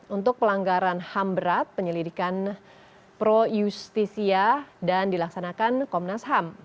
untuk pelanggaran ham berat penyelidikan pro justisia dan dilaksanakan komnas ham